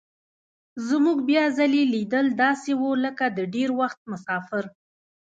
زموږ بیا ځلي لیدل داسې وو لکه د ډېر وخت مسافر.